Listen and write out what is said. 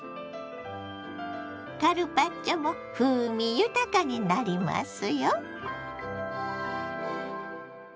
カルパッチョも風味豊かになりますよ。